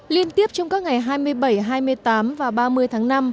liên tiếp trong các ngày hai mươi bảy hai mươi tám và ba mươi tháng năm